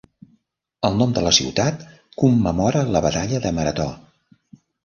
El nom de la ciutat commemora la batalla de Marató.